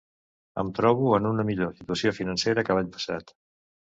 Em trobo en una millor situació financera que l'any passat.